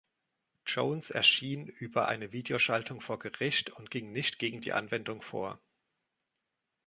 Jones erschien über eine Videoschaltung vor Gericht und ging nicht gegen die Anwendung vor.